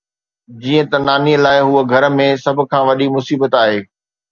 جيئن ته ناني لاء، هوء گهر ۾ سڀ کان وڏي مصيبت آهي.